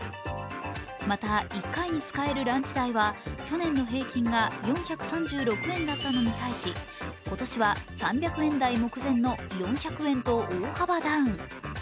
また、１回に使えるランチ代は去年の平均が４３６円だったのに対し、今年は３００円台目前の４００円と大幅ダウン。